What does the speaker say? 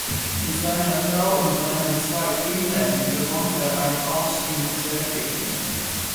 Mit seiner Frau und seinen zwei Kindern bewohnt er ein Haus in Seekirchen.